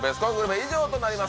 以上となります